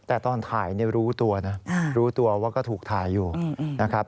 แต่ตอนถ่ายรู้ตัวนะรู้ตัวว่าก็ถูกถ่ายอยู่นะครับ